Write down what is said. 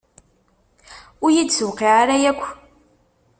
Ur iyi-d-tewqiɛ ara akk.